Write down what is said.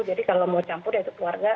jadi kalau mau campur ya itu keluarga